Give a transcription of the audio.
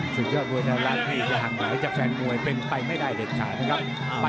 สุดยอดมวยแล้วร้านพี่จะหังหลายจากแฟนมวยเป็นไปไม่ได้เด็ดขาดครับ